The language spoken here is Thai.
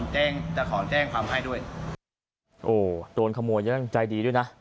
ถ้าจับได้เนี่ย